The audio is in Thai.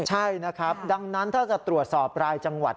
ใช่นะครับดังนั้นถ้าจะตรวจสอบรายจังหวัด